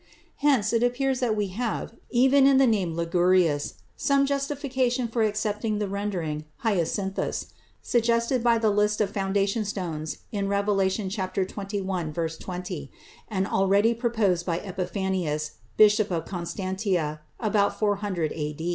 Hence, it appears that we have, even in the name ligurius, some justification for accepting the rendering hyacinthus, suggested by the list of foundation stones in Revelation xxi, 20, and already proposed by Epiphanius, Bishop of Constantia, about 400 A.